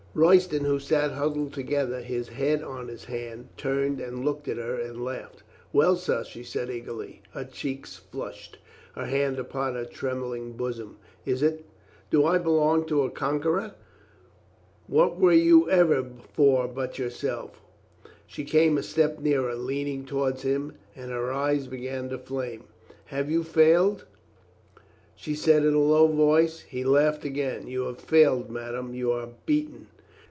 Royston, who sat huddled together, his head on his hand, turned and looked at her and laughed. "Well, sir?" she said eagerly, her cheeks flushed, her hand upon her trembling bosom. "Is it — do I belong to a conqueror?" "What were you ever for but yourself?" She came a step nearer, leaning toward him, and her eyes began to flame. "Have you failed?" she said in a low voice. He laughed again. "You have failed, madame. You are beaten."